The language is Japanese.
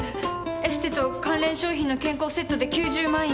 エステと関連商品の健康セットで９０万円。